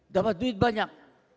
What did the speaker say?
dapat duit banyak